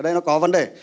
ở đây nó có vấn đề